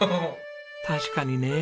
確かにね。